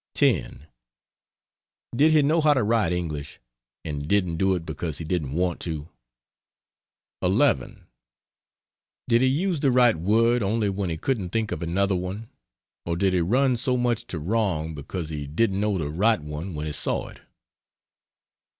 10. Did he know how to write English, and didn't do it because he didn't want to? 11. Did he use the right word only when he couldn't think of another one, or did he run so much to wrong because he didn't know the right one when he saw it?